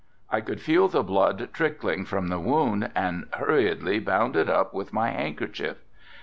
I could feel the blood trickling from the wound and hurriedly bound it up with my handkerchief.